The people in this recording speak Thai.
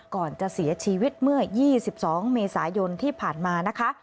ก่อนจะเสียชีวิตเมื่อ๒๒เมษายนที่ผ่านมานะคะ